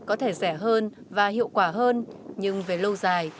có thể rẻ hơn và hiệu quả hơn nhưng về lâu dài